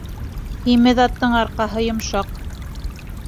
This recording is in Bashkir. Һимеҙ аттың арҡаһы йомшаҡ.